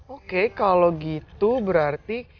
oke kalau gitu berarti